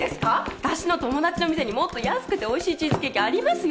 わたしの友達の店にもっと安くておいしいチーズケーキありますよ。